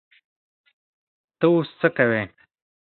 ته اوس څه کوې؟